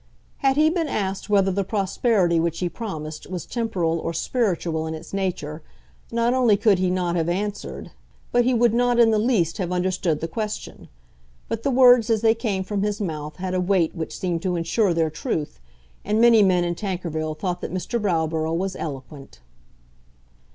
Had he been asked whether the prosperity which he promised was temporal or spiritual in its nature, not only could he not have answered, but he would not in the least have understood the question. But the words as they came from his mouth had a weight which seemed to ensure their truth, and many men in Tankerville thought that Mr. Browborough was eloquent.